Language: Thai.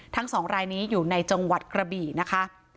ทั้งสองรายนี้อยู่ในจังหวัดกระบี่นะคะ